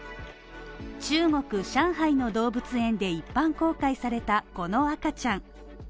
中国上海の動物園で一般公開されたこの赤ちゃん。